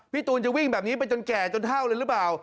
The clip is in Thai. ตูนจะวิ่งแบบนี้ไปจนแก่จนเท่าเลยหรือเปล่า